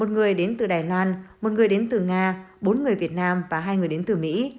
một người đến từ đài loan một người đến từ nga bốn người việt nam và hai người đến từ mỹ